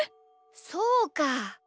そうか。